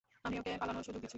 আমি ওকে পালানোর সুযোগ দিচ্ছি।